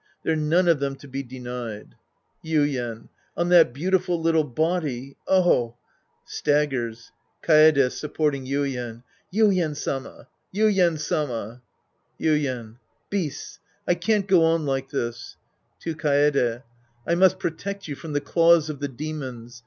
They're none of them to be denied. Yuien. On that beautiful little body. Oh ! {Staggers) Kaede {supporting Yuien). Yuien Sama ! Yuien Sama ! Yuien. Beasts ! I can't go on like this. ^7(3 Kaede.) I must protect you from the claws of the demons.